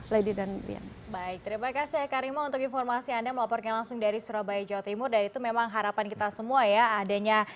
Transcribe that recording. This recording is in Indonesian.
lady dan baik terima kasih eka rima untuk informasi anda melaporkan langsung dari surabaya jawa timur dan itu memang harapan kita semua ya adanya